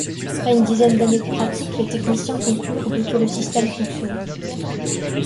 Après une dizaine d'années de pratique, les techniciens conclurent de que le système fonctionnait.